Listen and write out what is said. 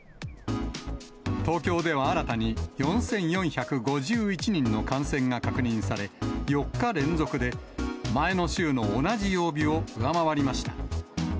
東京では新たに４４５１人の感染が確認され、４日連続で前の週の同じ曜日を上回りました。